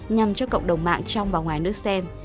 nhằm cho cộng đồng mạng trong và ngoài nước xem